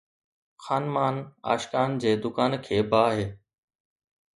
خانمان عاشقان جي دڪان کي باهه